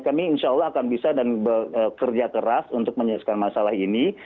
kami insya allah akan bisa dan bekerja keras untuk menyelesaikan masalah ini